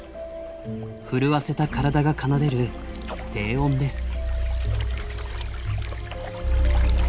震わせた体が奏でる低音です。